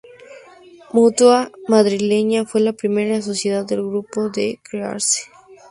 Mutua Madrileña fue la primera sociedad del grupo en crearse.